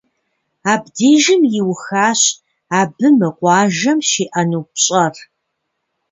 Абдежым иухащ абы мы къуажэм щиӏэну пщӏэр.